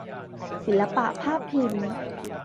ศิลปะภาพพิมพ์